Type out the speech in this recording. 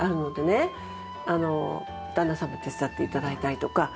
旦那様に手伝って頂いたりとか。